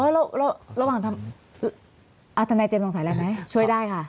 อ๋อแล้วระหว่างทำอาธนาเจมส์สงสัยอะไรไหมช่วยได้ค่ะ